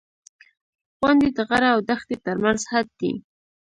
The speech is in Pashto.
• غونډۍ د غره او دښتې ترمنځ حد دی.